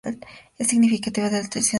Es significativa la utilización de Erasmo.